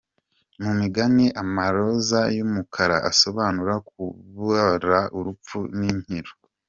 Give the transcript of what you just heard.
Mu migani amaroza y’umukara asobanura kubabara, urupfu n’ikiriyo.